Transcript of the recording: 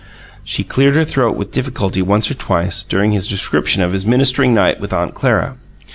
She cleared her throat with difficulty once or twice, during his description of his ministering night with Aunt Clara.